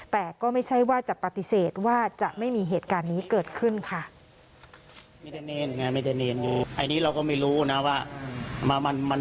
แต่ก็ไม่ใช่ว่าจะปฏิเสธว่าจะไม่มีเหตุการณ์นี้เกิดขึ้นค่ะ